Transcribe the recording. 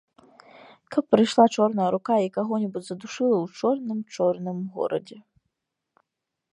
Каб прыйшла чорная рука і каго-небудзь задушыла ў чорным-чорным горадзе.